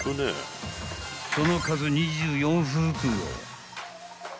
［その数２４袋］